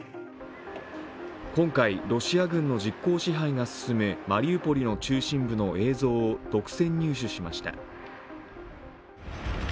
今回、ロシア軍の実効支配が進むマリウポリの中心部の映像を独占入手しました。